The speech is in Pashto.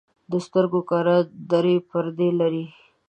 د سترګو کره درې پردې لري.